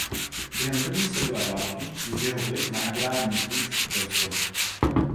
Během první světové války již jeho vliv na agrární tisk rostl.